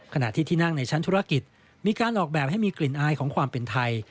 ขณะที่ที่นั่งในชั้นธุรกิจมีการออกแบบให้มีกลิ่นอายของความเป็นไทย